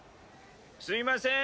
すいません！